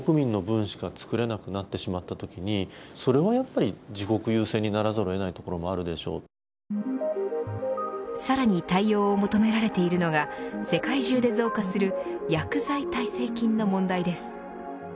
自国民の分しか作れなくなったときにそれはやっぱり自国優先にならざる得ないところもさらに対応を求められているのが世界中で増加する薬剤耐性菌の問題です。